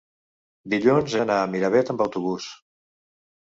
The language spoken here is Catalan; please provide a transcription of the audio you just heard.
dilluns he d'anar a Miravet amb autobús.